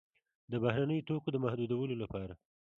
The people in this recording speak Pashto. د بهرنیو توکو د محدودولو لپاره.